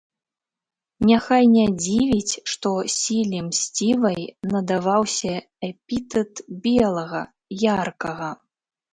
Няхай не дзівіць, што сіле мсцівай надаваўся эпітэт белага, яркага.